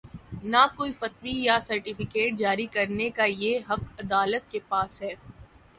نہ کوئی فتوی یا سرٹیفکیٹ جاری کر نے کا یہ حق عدالت کے پاس ہے۔